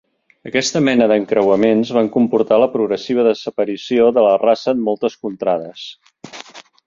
Aquesta mena d'encreuaments van comportar la progressiva desaparició de la raça en moltes contrades.